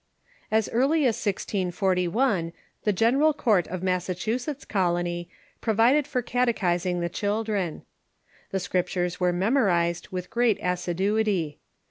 As Beginnings '^ nr i early as 1641 the General Court" of Massachusetts Colony provided for catechising the children. The Scriptures were memorized with great assiduity.